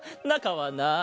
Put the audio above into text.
なかはな